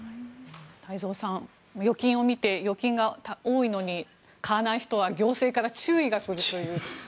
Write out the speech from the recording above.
太蔵さん預金を見て預金が多いのに買わない人は行政から注意が来るという。